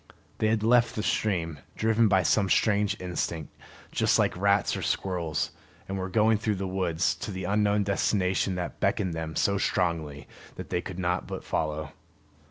They had left the stream, driven by some strange instinct, just like rats or squirrels, and were going through the woods to the unknown destination that beckoned them so strongly that they could not but follow.